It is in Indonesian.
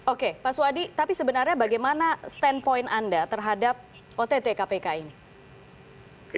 oke pak suhadi tapi sebenarnya bagaimana standpoint anda terhadap ott kpk ini